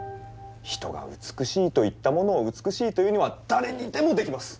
人が「美しい」と言ったものを「美しい」と言うのは誰にでもできます。